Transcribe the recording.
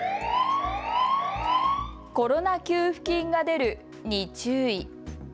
コロナ給付金が出るに注意。